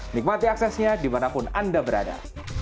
nikmati aksesnya dimanapun anda berada